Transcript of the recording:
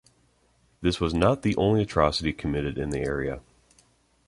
This was not the only atrocity committed in the area.